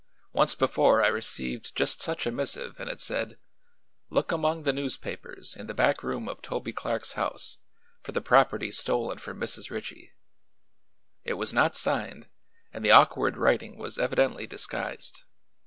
"Once before I received just such a missive and it said: 'Look among the newspapers in the back room of Toby Clark's house for the property stolen from Mrs. Ritchie.' It was not signed and the awkward writing was evidently disguised.